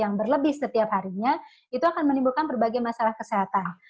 yang berlebih setiap harinya itu akan menimbulkan berbagai masalah kesehatan